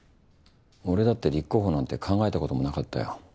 俺だって立候補なんて考えたこともなかったよ。